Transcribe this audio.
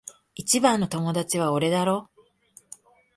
一番の友達は俺だろ？